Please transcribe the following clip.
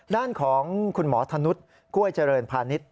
ด้านของคุณหมอธนุษย์กล้วยเจริญพาณิชย